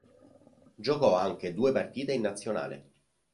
Giocò anche due partite in nazionale.